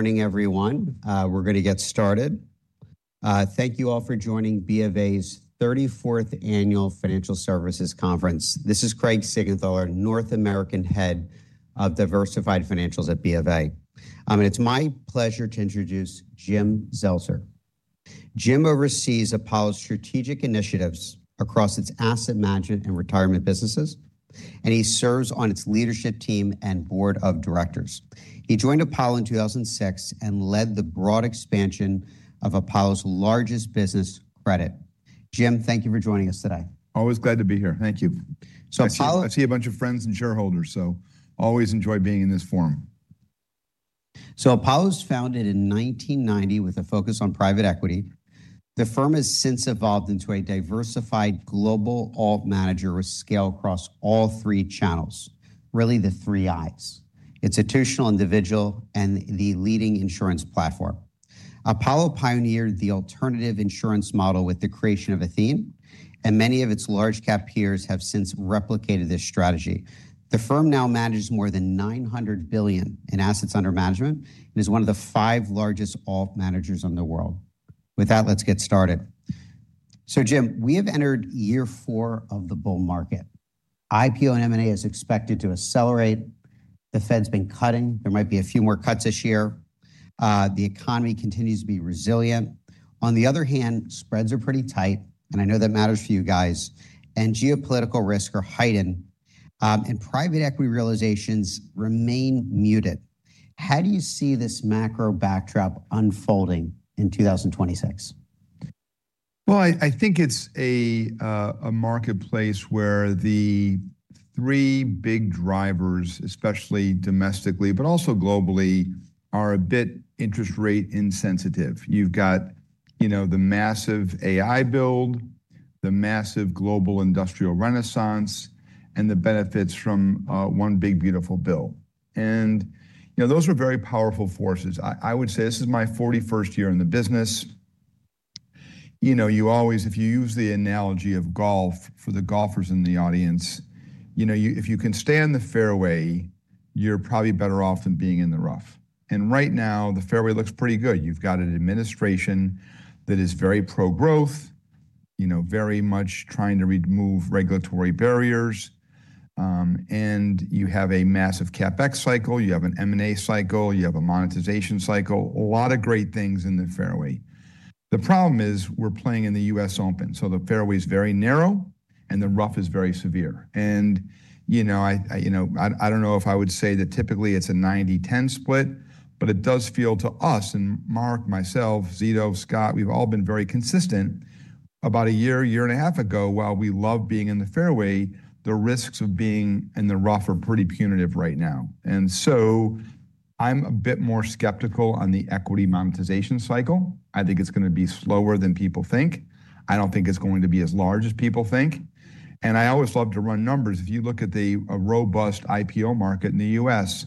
Morning, everyone. We're gonna get started. Thank you all for joining BofA's thirty-fourth Annual Financial Services Conference. This is Craig Siegenthaler, North American Head of Diversified Financials at BofA. It's my pleasure to introduce Jim Zelter. Jim oversees Apollo's strategic initiatives across its asset management and retirement businesses, and he serves on its leadership team and board of directors. He joined Apollo in 2006, and led the broad expansion of Apollo's largest business, credit. Jim, thank you for joining us today. Always glad to be here. Thank you. So Apollo- I see, I see a bunch of friends and shareholders, so always enjoy being in this forum. So Apollo was founded in 1990 with a focus on private equity. The firm has since evolved into a diversified global alt manager with scale across all three channels, really, the three I's, institutional, individual, and the leading insurance platform. Apollo pioneered the alternative insurance model with the creation of Athene, and many of its large cap peers have since replicated this strategy. The firm now manages more than $900 billion in assets under management, and is one of the five largest alt managers in the world. With that, let's get started. So Jim, we have entered year 4 of the bull market. IPO and M&A is expected to accelerate. The Fed's been cutting. There might be a few more cuts this year. The economy continues to be resilient. On the other hand, spreads are pretty tight, and I know that matters for you guys, and geopolitical risk are heightened, and private equity realizations remain muted. How do you see this macro backdrop unfolding in 2026? Well, I think it's a marketplace where the three big drivers, especially domestically, but also globally, are a bit interest rate insensitive. You've got, you know, the massive AI build, the massive global industrial renaissance, and the benefits from one big, beautiful build. And, you know, those are very powerful forces. I would say this is my forty-first year in the business. You know, you always, if you use the analogy of golf, for the golfers in the audience, you know, if you can stay on the fairway, you're probably better off than being in the rough. And right now, the fairway looks pretty good. You've got an administration that is very pro-growth, you know, very much trying to remove regulatory barriers, and you have a massive CapEx cycle, you have an M&A cycle, you have a monetization cycle, a lot of great things in the fairway. The problem is, we're playing in the U.S. Open, so the fairway is very narrow and the rough is very severe. And, you know, I don't know if I would say that typically it's a 90/10 split, but it does feel to us, and Marc, myself, Zito, Scott, we've all been very consistent. About a year, year and a half ago, while we love being in the fairway, the risks of being in the rough are pretty punitive right now. And so I'm a bit more skeptical on the equity monetization cycle. I think it's gonna be slower than people think. I don't think it's going to be as large as people think. And I always love to run numbers. If you look at the, a robust IPO market in the U.S.,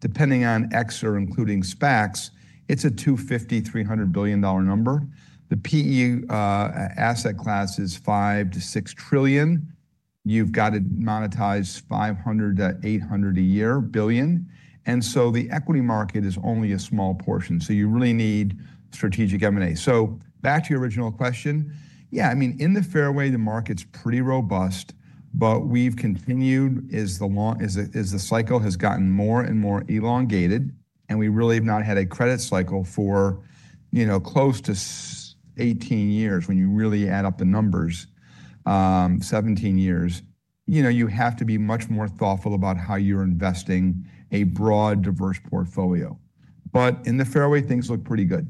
depending on X or including SPACs, it's a $250-$300 billion number. The PE asset class is $5-$6 trillion. You've got to monetize $500-$800 billion a year, and so the equity market is only a small portion, so you really need strategic M&A. So back to your original question, yeah, I mean, in the fairway, the market's pretty robust, but we've continued, as the cycle has gotten more and more elongated, and we really have not had a credit cycle for, you know, close to 18 years, when you really add up the numbers, 17 years, you know, you have to be much more thoughtful about how you're investing a broad, diverse portfolio. But in the fairway, things look pretty good.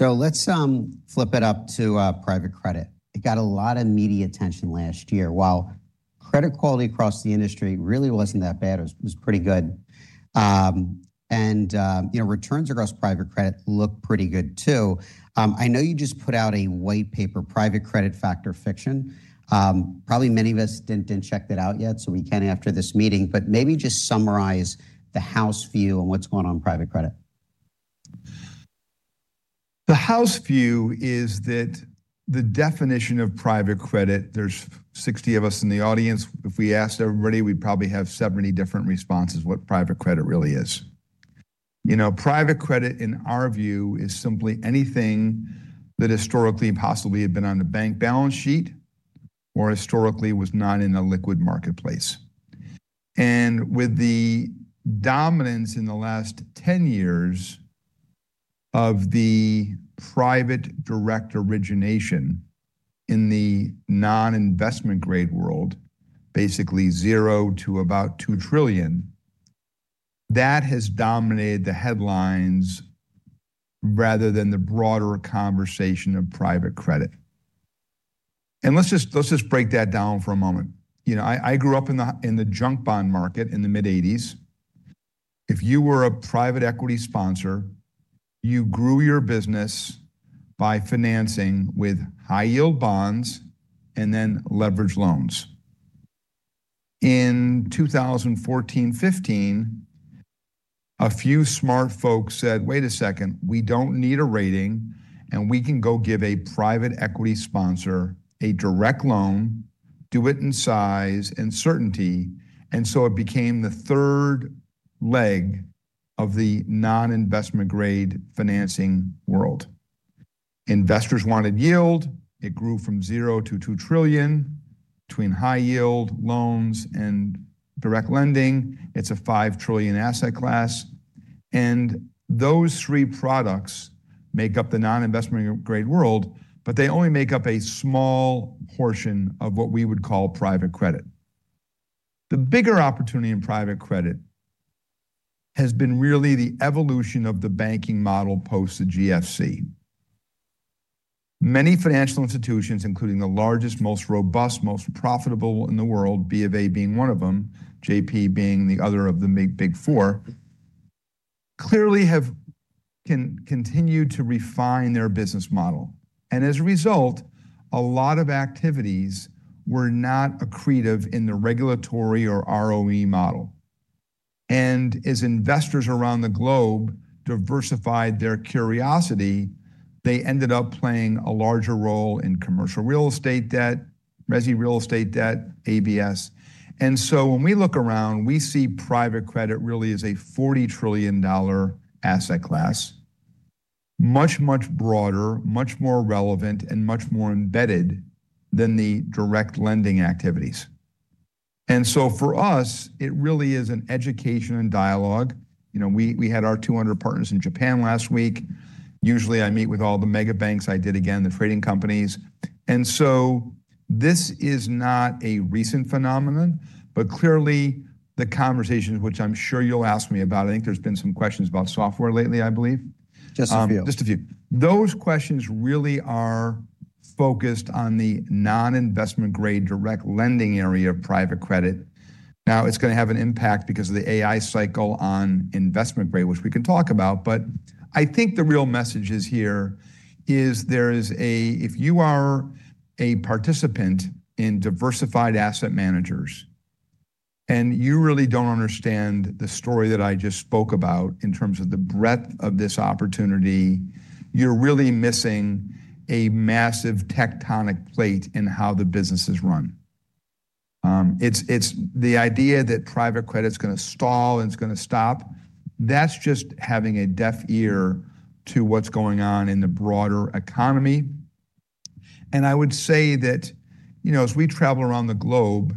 Let's flip it up to private credit. It got a lot of media attention last year. While credit quality across the industry really wasn't that bad, it was pretty good, and you know, returns across private credit look pretty good, too. I know you just put out a white paper, Private Credit: Fact or Fiction? Probably many of us didn't check that out yet, so we can after this meeting, but maybe just summarize the house view on what's going on in private credit. The house view is that the definition of private credit, there's 60 of us in the audience, if we asked everybody, we'd probably have 70 different responses what private credit really is. You know, private credit, in our view, is simply anything that historically and possibly had been on the bank balance sheet or historically was not in a liquid marketplace. And with the dominance in the last 10 years of the private direct origination in the non-investment grade world, basically 0 to about $2 trillion, that has dominated the headlines rather than the broader conversation of private credit. And let's just, let's just break that down for a moment. You know, I grew up in the junk bond market in the mid-1980s. If you were a private equity sponsor, you grew your business by financing with high-yield bonds and then leveraged loans. In 2014, 2015, a few smart folks said: "Wait a second, we don't need a rating, and we can go give a private equity sponsor a direct loan, do it in size and certainty, and so it became the third leg of the non-investment grade financing world. Investors wanted yield. It grew from zero to $2 trillion between high yield loans and direct lending. It's a $5 trillion asset class, and those three products make up the non-investment grade world, but they only make up a small portion of what we would call private credit. The bigger opportunity in private credit has been really the evolution of the banking model post the GFC. Many financial institutions, including the largest, most robust, most profitable in the world, B of A being one of them, JP being the other of the big, big four, clearly have continued to refine their business model, and as a result, a lot of activities were not accretive in the regulatory or ROE model. As investors around the globe diversified their curiosity, they ended up playing a larger role in commercial real estate debt, residential real estate debt, ABS. So when we look around, we see private credit really as a $40 trillion asset class. Much, much broader, much more relevant, and much more embedded than the direct lending activities. So for us, it really is an education and dialogue. You know, we had our 200 partners in Japan last week. Usually, I meet with all the mega banks. I did again the trading companies. So this is not a recent phenomenon, but clearly the conversations, which I'm sure you'll ask me about. I think there's been some questions about software lately, I believe. Just a few. Just a few. Those questions really are focused on the non-investment grade, direct lending area of private credit. Now, it's gonna have an impact because of the AI cycle on investment grade, which we can talk about, but I think the real message is there is a if you are a participant in diversified asset managers and you really don't understand the story that I just spoke about in terms of the breadth of this opportunity, you're really missing a massive tectonic plate in how the business is run. It's the idea that private credit's gonna stall and it's gonna stop, that's just having a deaf ear to what's going on in the broader economy. I would say that, you know, as we travel around the globe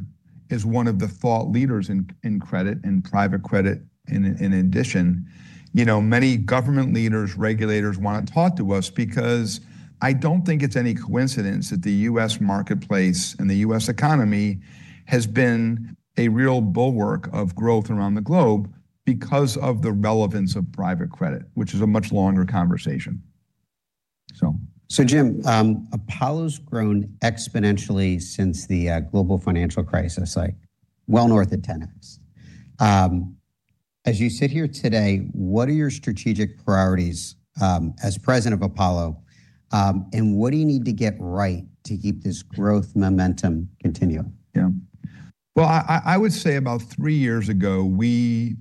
as one of the thought leaders in credit and private credit, in addition, you know, many government leaders, regulators want to talk to us because I don't think it's any coincidence that the US marketplace and the US economy has been a real bulwark of growth around the globe because of the relevance of private credit, which is a much longer conversation. So- So Jim, Apollo's grown exponentially since the global financial crisis, like well north of 10x. As you sit here today, what are your strategic priorities as President of Apollo, and what do you need to get right to keep this growth momentum continuing? Yeah. Well, I would say about three years ago, we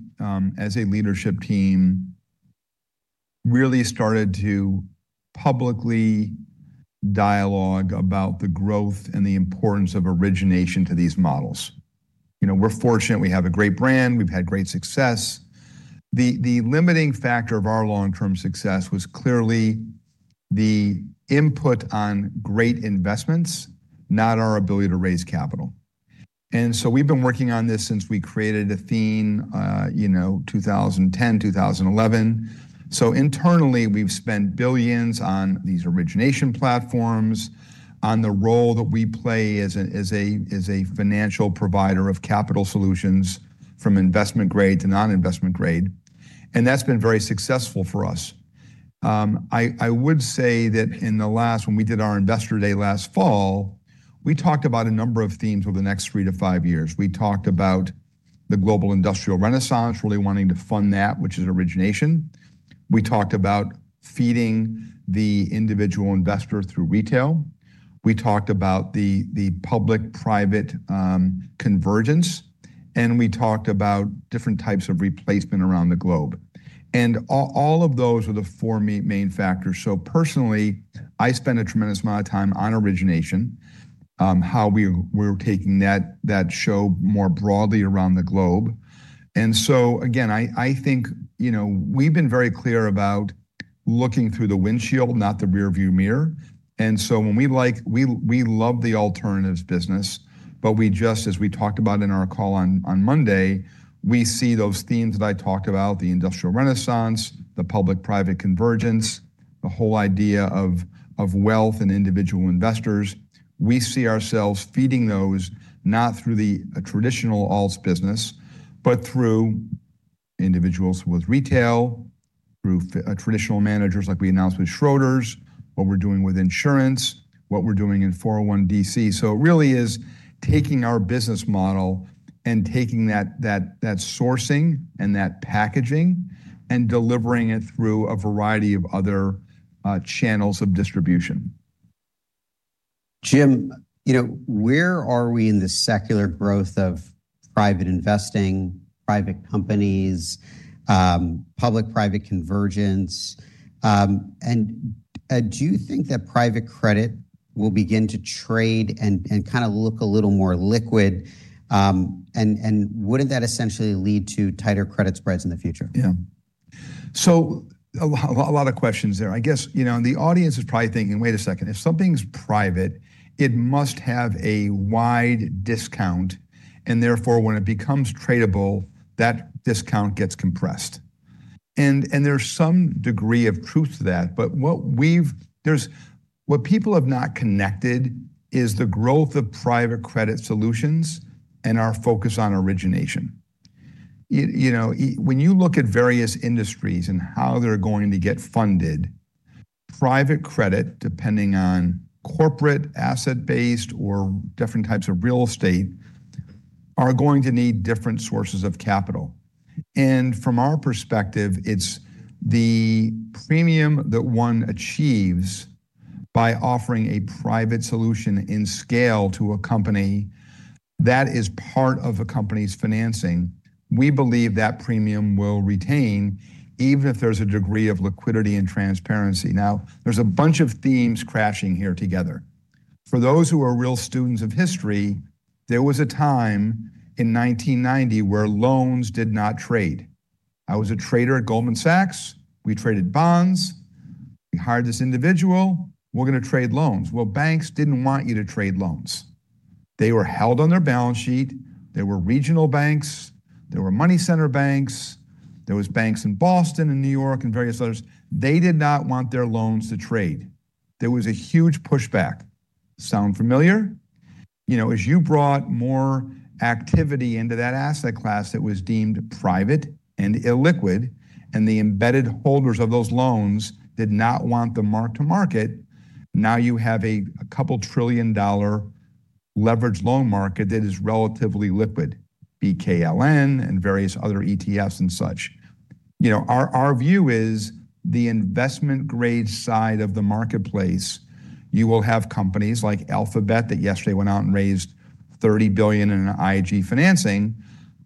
as a leadership team really started to publicly dialogue about the growth and the importance of origination to these models. You know, we're fortunate we have a great brand. We've had great success. The limiting factor of our long-term success was clearly the input on great investments, not our ability to raise capital. And so we've been working on this since we created Athene, you know, 2010, 2011. So internally, we've spent $ billions on these origination platforms, on the role that we play as a financial provider of capital solutions from investment grade to non-investment grade, and that's been very successful for us. I would say that in the last—when we did our Investor Day last fall, we talked about a number of themes for the next three to five years. We talked about the global industrial renaissance, really wanting to fund that, which is origination. We talked about feeding the individual investor through retail. We talked about the public-private convergence, and we talked about different types of replacement around the globe. And all of those are the four main factors. So personally, I spend a tremendous amount of time on origination, how we're taking Athora more broadly around the globe. And so again, I think, you know, we've been very clear about looking through the windshield, not the rearview mirror. And so when we love the alternatives business, but we just, as we talked about in our call on Monday, we see those themes that I talked about, the industrial renaissance, the public-private convergence, the whole idea of wealth and individual investors. We see ourselves feeding those not through the traditional alts business, but through individuals with retail, through traditional managers, like we announced with Schroders, what we're doing with insurance, what we're doing in 401(k) DC. So it really is taking our business model and taking that sourcing and that packaging and delivering it through a variety of other channels of distribution. Jim, you know, where are we in the secular growth of private investing, private companies, public-private convergence? Do you think that private credit will begin to trade and kind of look a little more liquid? Wouldn't that essentially lead to tighter credit spreads in the future? Yeah. So a lot of questions there. I guess, you know, and the audience is probably thinking, "Wait a second, if something's private, it must have a wide discount, and therefore, when it becomes tradable, that discount gets compressed." And there's some degree of truth to that, but what people have not connected is the growth of private credit solutions and our focus on origination. You know, when you look at various industries and how they're going to get funded, private credit, depending on corporate, asset-based, or different types of real estate, are going to need different sources of capital. And from our perspective, it's the premium that one achieves by offering a private solution in scale to a company that is part of a company's financing. We believe that premium will retain even if there's a degree of liquidity and transparency. Now, there's a bunch of themes crashing here together. For those who are real students of history, there was a time in 1990 where loans did not trade. I was a trader at Goldman Sachs. We traded bonds. We hired this individual, "We're gonna trade loans." Well, banks didn't want you to trade loans. They were held on their balance sheet. There were regional banks, there were money center banks, there was banks in Boston and New York and various others. They did not want their loans to trade. There was a huge pushback. Sound familiar? You know, as you brought more activity into that asset class that was deemed private and illiquid, and the embedded holders of those loans did not want the mark to market, now you have a couple $2 trillion-dollar leveraged loan market that is relatively liquid, BKLN and various other ETFs and such. You know, our view is the investment grade side of the marketplace, you will have companies like Alphabet, that yesterday went out and raised $30 billion in IG financing,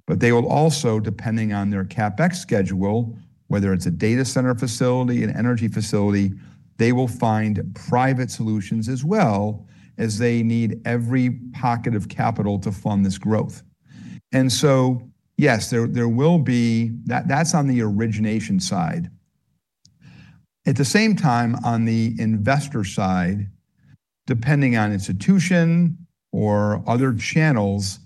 but they will also, depending on their CapEx schedule, whether it's a data center facility, an energy facility, they will find private solutions, as well, as they need every pocket of capital to fund this growth. And so, yes, there will be, that's on the origination side. At the same time, on the investor side, depending on institution or other channels,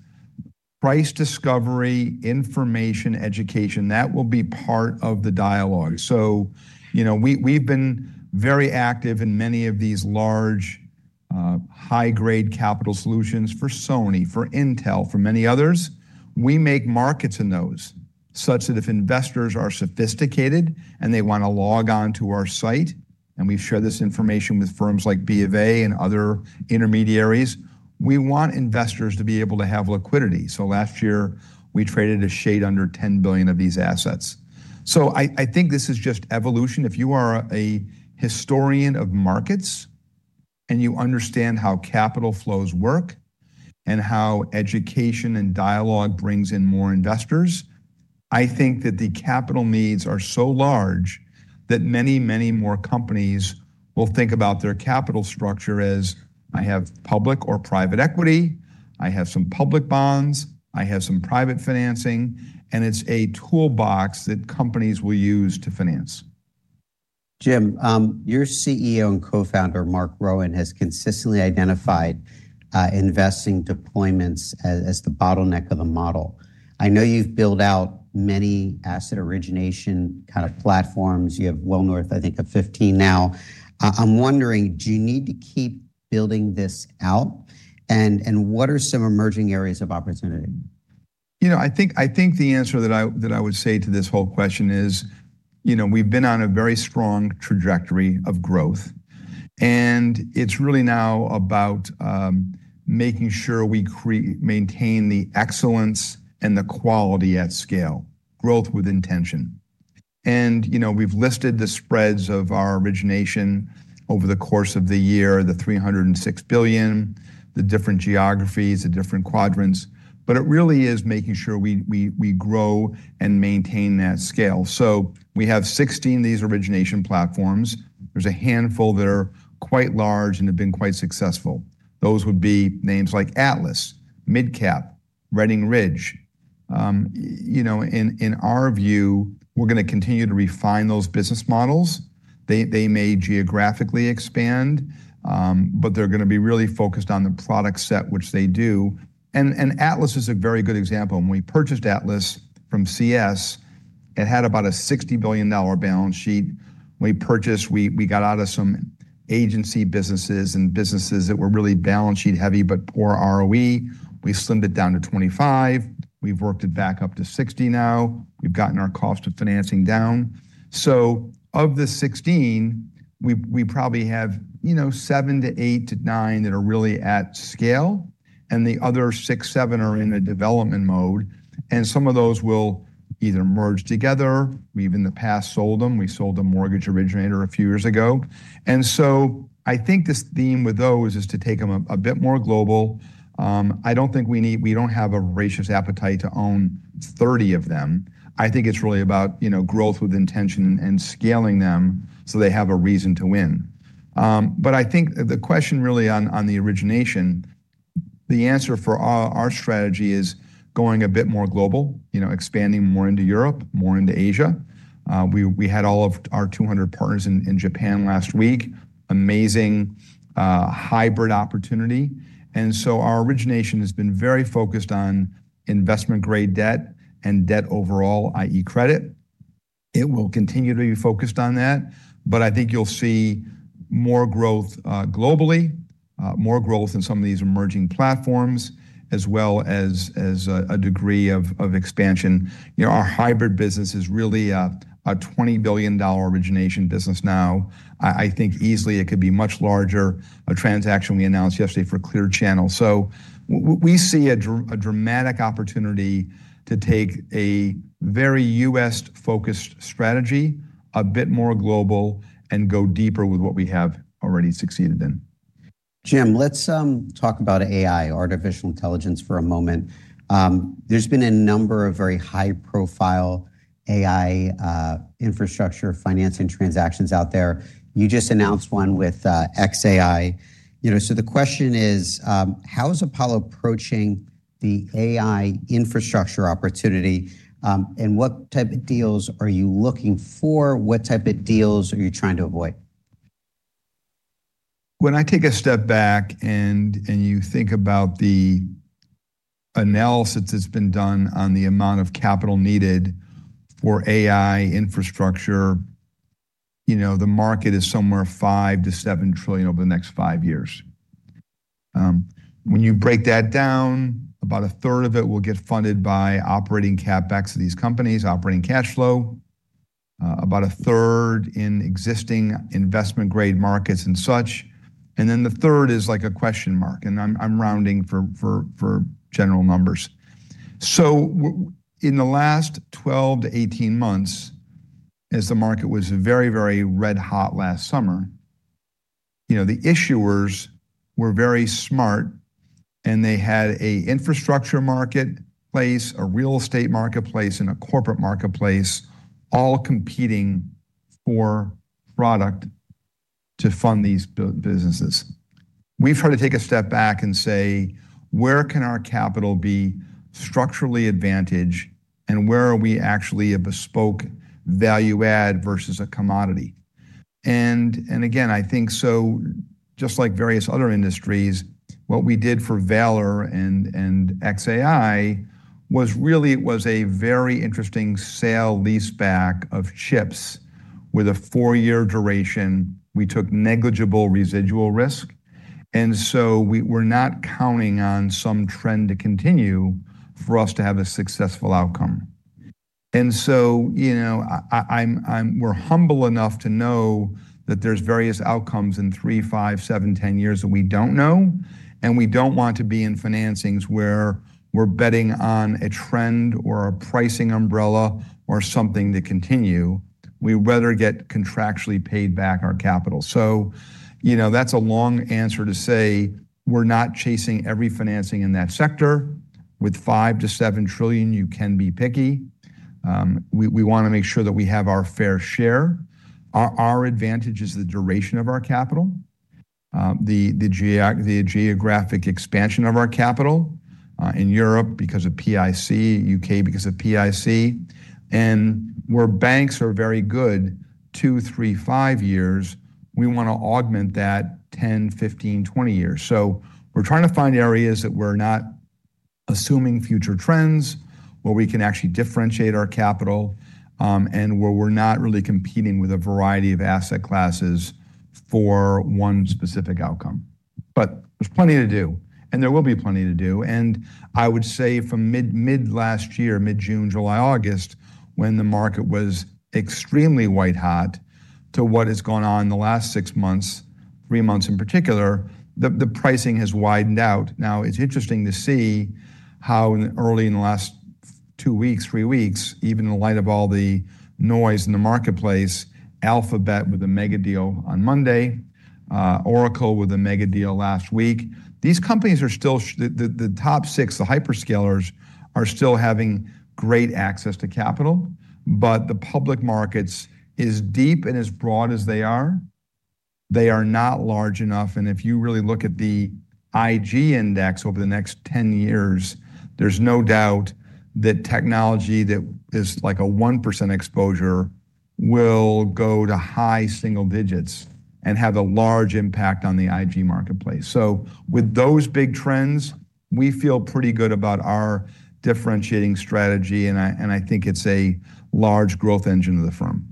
price discovery, information, education, that will be part of the dialogue. So, you know, we've been very active in many of these large high-grade capital solutions for Sony, for Intel, for many others. We make markets in those, such that if investors are sophisticated and they wanna log on to our site, and we've shared this information with firms like BofA and other intermediaries, we want investors to be able to have liquidity. So last year, we traded a shade under $10 billion of these assets. So I think this is just evolution. If you are a historian of markets, and you understand how capital flows work and how education and dialogue brings in more investors, I think that the capital needs are so large that many, many more companies will think about their capital structure as, "I have public or private equity, I have some public bonds, I have some private financing," and it's a toolbox that companies will use to finance. Jim, your CEO and co-founder, Marc Rowan, has consistently identified investing deployments as the bottleneck of the model. I know you've built out many asset origination kind of platforms. You have well north, I think, of 15 now. I'm wondering, do you need to keep building this out, and what are some emerging areas of opportunity? You know, I think the answer that I would say to this whole question is, you know, we've been on a very strong trajectory of growth, and it's really now about making sure we maintain the excellence and the quality at scale, growth with intention. And, you know, we've listed the spreads of our origination over the course of the year, the $306 billion, the different geographies, the different quadrants, but it really is making sure we grow and maintain that scale. So we have 16 of these origination platforms. There's a handful that are quite large and have been quite successful. Those would be names like Atlas, MidCap, Redding Ridge. You know, in our view, we're gonna continue to refine those business models. They may geographically expand, but they're gonna be really focused on the product set which they do. And Atlas is a very good example. When we purchased Atlas from CS, it had about a $60 billion balance sheet. We purchased—we got out of some agency businesses and businesses that were really balance sheet heavy but poor ROE. We slimmed it down to $25 billion. We've worked it back up to $60 billion now. We've gotten our cost of financing down. So of the 16, we probably have, you know, 7-9 that are really at scale, and the other 6-7 are in a development mode, and some of those will either merge together. We've, in the past, sold them. We sold a mortgage originator a few years ago, and so I think this theme with those is to take them a bit more global. I don't think we need—we don't have a voracious appetite to own 30 of them. I think it's really about, you know, growth with intention and scaling them so they have a reason to win. But I think the question really on the origination, the answer for our strategy is going a bit more global, you know, expanding more into Europe, more into Asia. We had all of our 200 partners in Japan last week. Amazing hybrid opportunity. And so our origination has been very focused on investment-grade debt and debt overall, i.e., credit. It will continue to be focused on that, but I think you'll see more growth globally, more growth in some of these emerging platforms, as well as a degree of expansion. You know, our hybrid business is really a $20 billion origination business now. I think easily it could be much larger, a transaction we announced yesterday for Clear Channel. So we see a dramatic opportunity to take a very US-focused strategy a bit more global, and go deeper with what we have already succeeded in. Jim, let's talk about AI, artificial intelligence, for a moment. There's been a number of very high-profile AI infrastructure financing transactions out there. You just announced one with xAI. You know, so the question is, how is Apollo approaching the AI infrastructure opportunity, and what type of deals are you looking for? What type of deals are you trying to avoid? When I take a step back and you think about the analysis that's been done on the amount of capital needed for AI infrastructure, you know, the market is somewhere $5-7 trillion over the next five years. When you break that down, about a third of it will get funded by operating CapEx of these companies, operating cash flow, about a third in existing investment-grade markets and such, and then the third is like a question mark, and I'm rounding for general numbers. So in the last 12-18 months, as the market was very, very red hot last summer, you know, the issuers were very smart, and they had an infrastructure marketplace, a real estate marketplace, and a corporate marketplace all competing for product to fund these businesses. We've had to take a step back and say: Where can our capital be structurally advantaged, and where are we actually a bespoke value add versus a commodity? And, and again, I think so, just like various other industries, what we did for Valor and xAI was really, it was a very interesting sale-leaseback of chips with a four-year duration. We took negligible residual risk, and so we were not counting on some trend to continue for us to have a successful outcome. And so, you know, we're humble enough to know that there's various outcomes in 3, 5, 7, 10 years that we don't know, and we don't want to be in financings where we're betting on a trend or a pricing umbrella or something to continue. We'd rather get contractually paid back our capital. So, you know, that's a long answer to say we're not chasing every financing in that sector. With $5-$7 trillion, you can be picky. We wanna make sure that we have our fair share. Our advantage is the duration of our capital, the geographic expansion of our capital in Europe because of PIC, UK because of PIC, and where banks are very good two, three, five years, we wanna augment that 10, 15, 20 years. So we're trying to find areas that we're not assuming future trends, where we can actually differentiate our capital, and where we're not really competing with a variety of asset classes for one specific outcome. There's plenty to do, and there will be plenty to do, and I would say from mid, mid last year, mid-June, July, August, when the market was extremely white hot to what has gone on in the last six months, three months in particular, the pricing has widened out. Now, it's interesting to see how in early in the last two weeks, three weeks, even in light of all the noise in the marketplace, Alphabet with a mega deal on Monday, Oracle with a mega deal last week. These companies are still the top six, the hyperscalers, are still having great access to capital, but the public markets, as deep and as broad as they are, they are not large enough, and if you really look at the IG index over the next 10 years, there's no doubt that technology that is like a 1% exposure, will go to high single digits and have a large impact on the IG marketplace. So with those big trends, we feel pretty good about our differentiating strategy, and I think it's a large growth engine of the firm.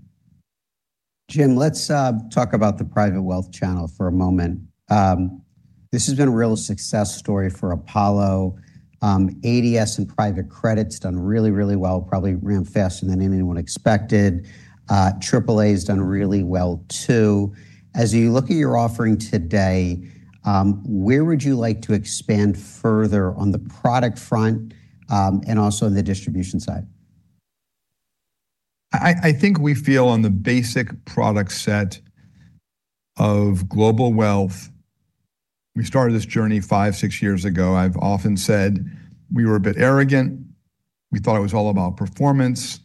Jim, let's talk about the private wealth channel for a moment. This has been a real success story for Apollo. ADS and private credit's done really, really well, probably ramped faster than anyone expected. AAA has done really well, too. As you look at your offering today, where would you like to expand further on the product front, and also on the distribution side? I think we feel on the basic product set of global wealth, we started this journey five-six years ago. I've often said we were a bit arrogant. We thought it was all about performance.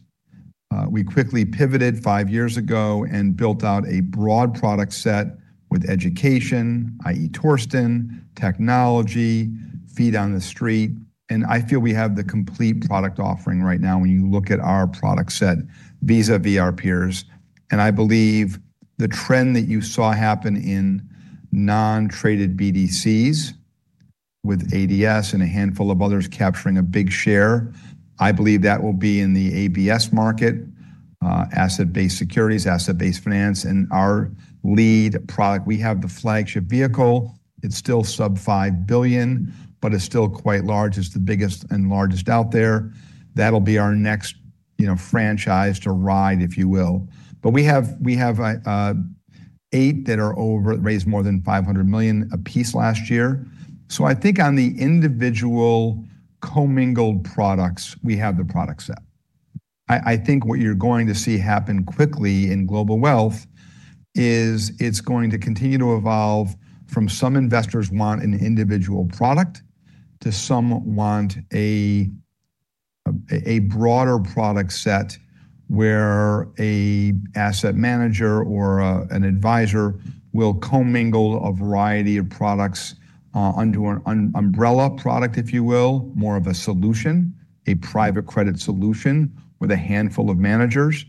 We quickly pivoted five years ago and built out a broad product set with education, i.e. Torsten, technology, feet on the street, and I feel we have the complete product offering right now when you look at our product set vis-a-vis our peers. And I believe the trend that you saw happen in non-traded BDCs with ADS and a handful of others capturing a big share, I believe that will be in the ABS market, asset-backed securities, asset-based finance, and our lead product. We have the flagship vehicle. It's still sub-$5 billion, but it's still quite large. It's the biggest and largest out there. That'll be our next, you know, franchise to ride, if you will. But we have eight that raised more than $500 million apiece last year. So I think on the individual commingled products, we have the product set. I think what you're going to see happen quickly in global wealth is it's going to continue to evolve from some investors want an individual product, to some want a broader product set, where an asset manager or an advisor will commingle a variety of products under an umbrella product, if you will. More of a solution, a private credit solution with a handful of managers.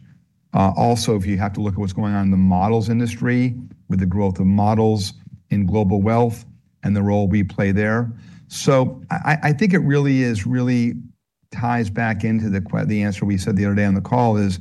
Also, if you have to look at what's going on in the models industry, with the growth of models in global wealth and the role we play there. So I think it really is, really ties back into the answer we said the other day on the call, is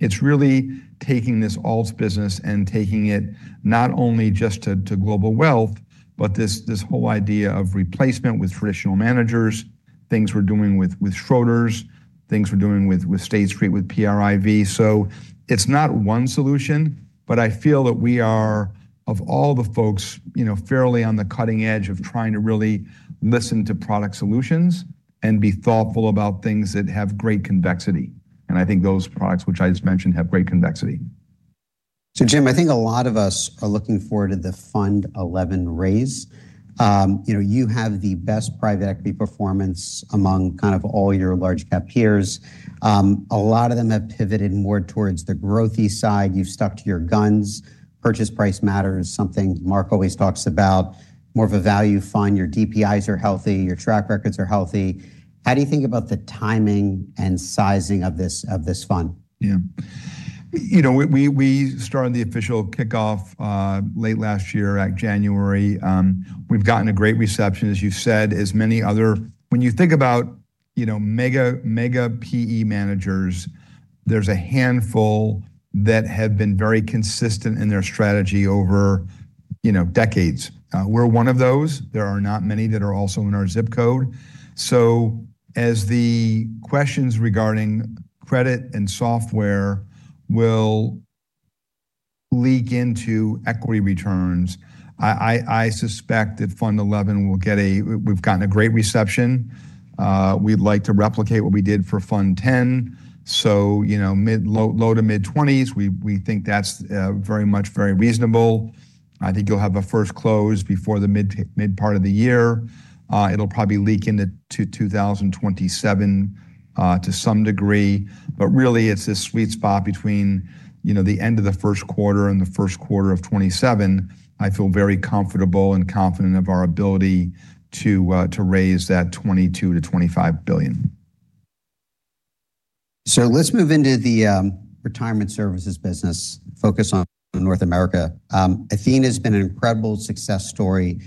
it's really taking this alts business and taking it not only just to global wealth, but this whole idea of replacement with traditional managers, things we're doing with Schroders, things we're doing with State Street, with PRIV. So it's not one solution, but I feel that we are, of all the folks, you know, fairly on the cutting edge of trying to really listen to product solutions and be thoughtful about things that have great convexity. And I think those products, which I just mentioned, have great convexity. So Jim, I think a lot of us are looking forward to the Fund XI raise. You know, you have the best private equity performance among kind of all your large cap peers. A lot of them have pivoted more towards the growthy side. You've stuck to your guns. Purchase price matters, something Marc always talks about. More of a value fund. Your DPIs are healthy, your track records are healthy. How do you think about the timing and sizing of this, of this fund? Yeah. You know, we started the official kickoff late last year, at January. We've gotten a great reception, as you've said, as many other, when you think about, you know, mega PE managers, there's a handful that have been very consistent in their strategy over, you know, decades. We're one of those. There are not many that are also in our zip code. So as the questions regarding credit and software will leak into equity returns, I suspect that Fund XI will get a great reception. We've gotten a great reception. We'd like to replicate what we did for Fund X. So, you know, low- to mid-20s, we think that's very much very reasonable. I think you'll have a first close before the mid part of the year. It'll probably leak into to 2027 to some degree. But really, it's this sweet spot between, you know, the end of the first quarter and the first quarter of 2027. I feel very comfortable and confident of our ability to raise that $22 billion-$25 billion. So let's move into the retirement services business, focus on North America. Athene has been an incredible success story.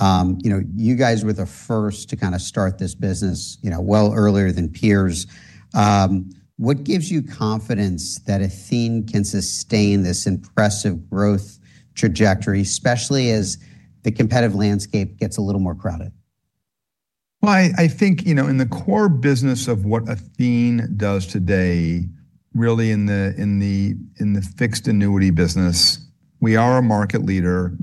You know, you guys were the first to kind of start this business, you know, well earlier than peers. What gives you confidence that Athene can sustain this impressive growth trajectory, especially as the competitive landscape gets a little more crowded? Well, I think, you know, in the core business of what Athene does today, really in the fixed annuity business, we are a market leader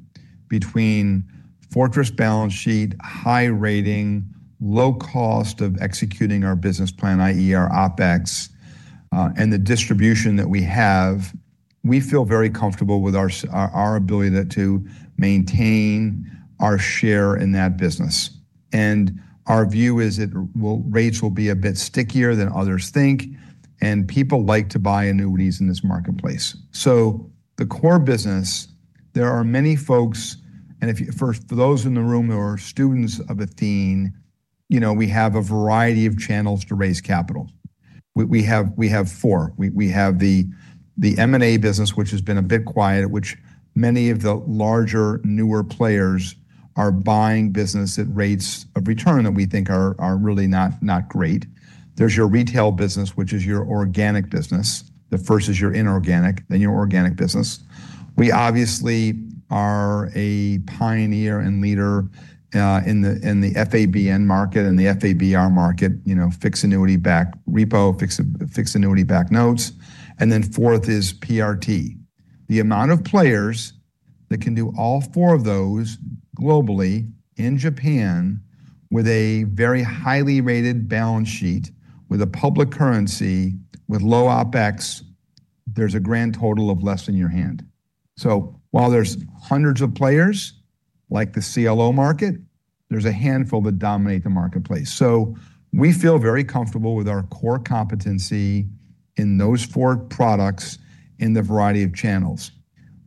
between fortress balance sheet, high rating, low cost of executing our business plan, i.e., our OpEx, and the distribution that we have. We feel very comfortable with our our ability to maintain our share in that business. And our view is that, well, rates will be a bit stickier than others think, and people like to buy annuities in this marketplace. So the core business, there are many folks, and for those in the room who are students of Athene, you know, we have a variety of channels to raise capital. We have four. We have the M&A business, which has been a bit quiet, which many of the larger, newer players are buying business at rates of return that we think are really not great. There's your retail business, which is your organic business. The first is your inorganic, then your organic business. We obviously are a pioneer and leader in the FABN market and the FABR market, you know, fixed annuity-backed repo, fixed annuity-backed notes, and then fourth is PRT. The amount of players that can do all four of those globally in Japan with a very highly rated balance sheet, with a public currency, with low OpEx, there's a grand total of less than your hand. So while there's hundreds of players like the CLO market, there's a handful that dominate the marketplace. So we feel very comfortable with our core competency in those four products in the variety of channels.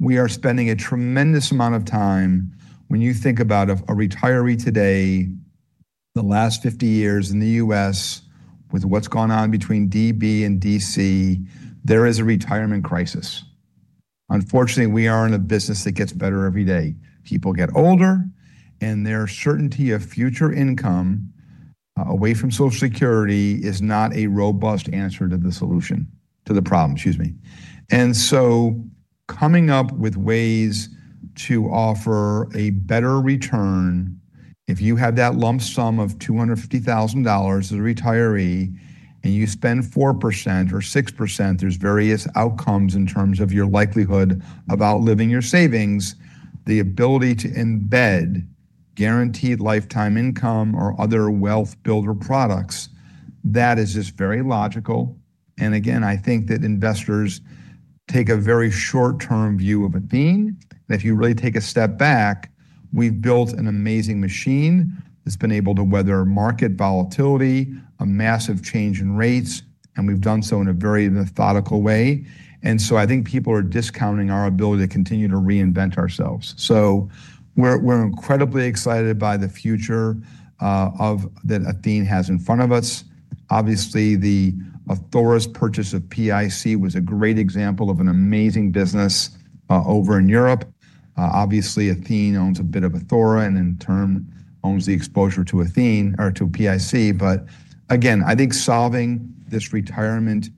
We are spending a tremendous amount of time. When you think about a retiree today, the last 50 years in the U.S., with what's gone on between DB and DC, there is a retirement crisis. Unfortunately, we are in a business that gets better every day. People get older, and their certainty of future income away from Social Security is not a robust answer to the solution, to the problem, excuse me. Coming up with ways to offer a better return, if you have that lump sum of $250,000 as a retiree and you spend 4% or 6%, there's various outcomes in terms of your likelihood of outliving your savings, the ability to embed guaranteed lifetime income or other wealth builder products, that is just very logical. And again, I think that investors take a very short-term view of Athene, that if you really take a step back, we've built an amazing machine that's been able to weather market volatility, a massive change in rates, and we've done so in a very methodical way. And so I think people are discounting our ability to continue to reinvent ourselves. So we're, we're incredibly excited by the future that Athene has in front of us. Obviously, Athora's purchase of PIC was a great example of an amazing business over in Europe. Obviously, Athene owns a bit of Athora, and in turn, owns the exposure to Athene or to PIC. But again, I think solving this retirement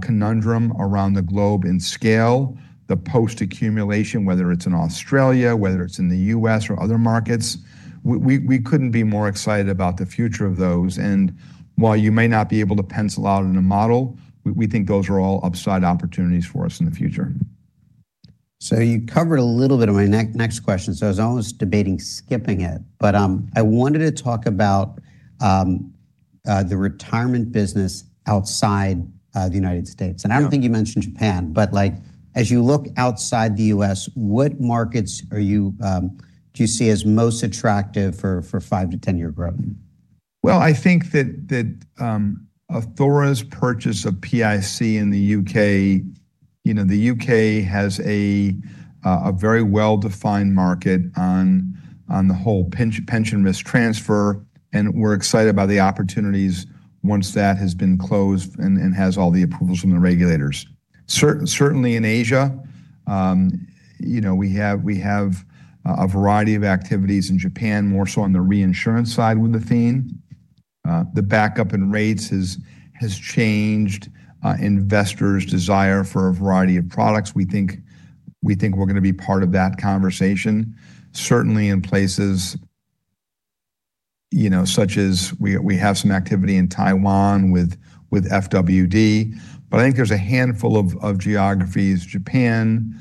conundrum around the globe in scale, the post-accumulation, whether it's in Australia, whether it's in the US or other markets, we couldn't be more excited about the future of those. And while you may not be able to pencil out in a model, we think those are all upside opportunities for us in the future. So you covered a little bit of my next, next question, so I was almost debating skipping it. But, I wanted to talk about the retirement business outside the United States. Yeah. I don't think you mentioned Japan, but, like, as you look outside the U.S., what markets are you, do you see as most attractive for 5-10-year growth? Well, I think that Athora's purchase of PIC in the UK, you know, the UK has a very well-defined market on the whole pension risk transfer, and we're excited about the opportunities once that has been closed and has all the approvals from the regulators. Certainly in Asia, you know, we have a variety of activities in Japan, more so on the reinsurance side with Athene. The backup in rates has changed investors' desire for a variety of products. We think we're gonna be part of that conversation, certainly in places, you know, such as we have some activity in Taiwan with FWD. But I think there's a handful of geographies, Japan,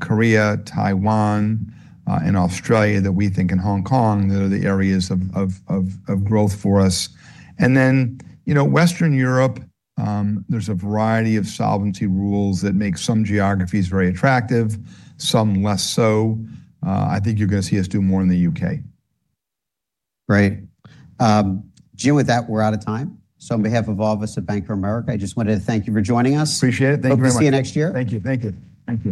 Korea, Taiwan, and Australia, that we think in Hong Kong, they are the areas of growth for us. And then, you know, Western Europe, there's a variety of solvency rules that make some geographies very attractive, some less so. I think you're gonna see us do more in the UK. Great. Jim, with that, we're out of time. On behalf of all of us at Bank of America, I just wanted to thank you for joining us. Appreciate it. Thank you very much. Hope to see you next year. Thank you. Thank you. Thank you.